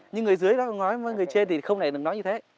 nhưng người dưới nói với người trên thì không lẽ được nói như thế